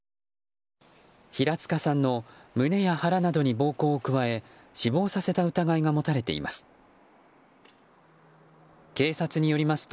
平塚さんの胸や腹などに暴行を加え死亡させた疑いが持たれています。